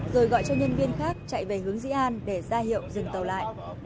rồi gọi cho nhân viên khác chạy về hướng dĩ an để ra hiệu dừng tàu lại